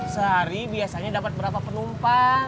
sehari biasanya dapat berapa penumpang